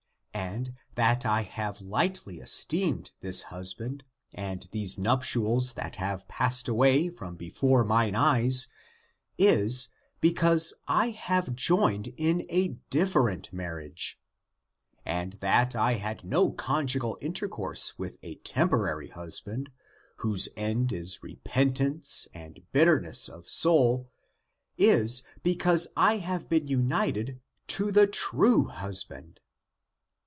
And that I have lightly esteemed this husband, and these nuptials that have passed away, from before mine eyes, is, because I have been joined in a different marriage. And that I had no conjugal intercourse with a temporary hus band, whose end is repentance and bitterness of soul, is, because I have been united to the true husband."